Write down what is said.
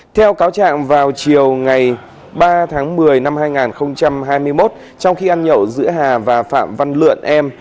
theo cáo trạng vào chiều ngày ba tháng một mươi năm hai nghìn hai mươi một trong khi ăn nhậu giữa hà và phạm văn lượn em